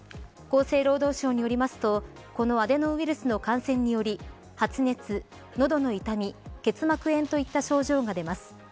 厚生労働省によりますとこのアデノウイルスの感染により発熱、のどの痛み結膜炎といった症状が出ます。